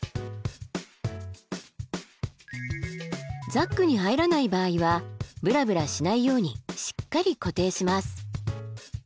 ザックに入らない場合はブラブラしないようにしっかり固定します。